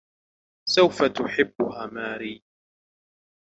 سوف تحبّها ماري.